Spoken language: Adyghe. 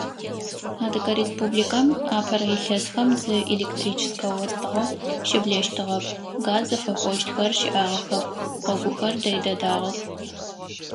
Адыгэ Республикэм апэрэ илъэсхэм зы электрическэ остыгъэ щыблэщтыгъэп, газ зыфэпӏощтхэр щыӏагъэхэп, гъогухэр дэй дэдагъэх.